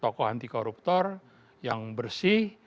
tokoh anti koruptor yang bersih